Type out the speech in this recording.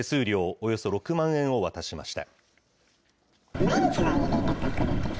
およそ６万円を渡しました。